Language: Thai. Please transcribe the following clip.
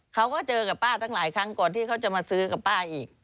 เขาก็เจอกับป้าตั้งหลายครั้งก่อนที่เขาจะมาซื้อกับป้าอีก